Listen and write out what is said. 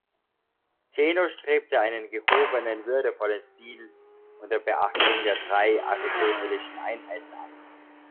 Zeno strebte einen gehobenen, würdevollen Stil unter Beachtung der drei Aristotelischen Einheiten an.